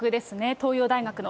東洋大学の。